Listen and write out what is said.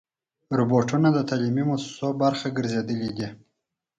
روبوټونه د تعلیمي مؤسسو برخه ګرځېدلي دي.